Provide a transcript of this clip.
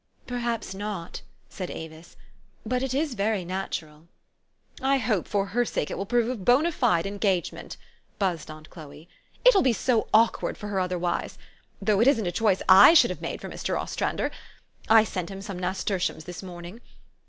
"Perhaps not," said Avis; "but it is very nat ural." "I hope, for her sake, it will prove a bond fide en gagement," buzzed aunt Chloe :" it will be so awk ward for her otherwise ! Though it isn't a choice / should have made for Mr. Ostrander. I sent him some nasturtiums this morning.